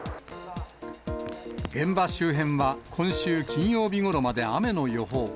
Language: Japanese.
現場周辺は今週金曜日ごろまで雨の予報。